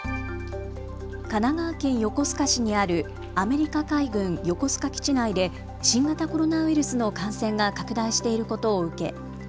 神奈川県横須賀市にあるアメリカ海軍横須賀基地内で新型コロナウイルスの感染が拡大していることを受け